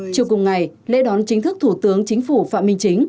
chiều cùng ngày lễ đón chính thức thủ tướng chính phủ phạm minh chính